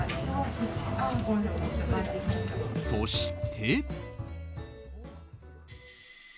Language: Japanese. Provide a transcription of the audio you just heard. そして。